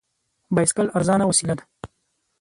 بایسکل ارزانه وسیله ده.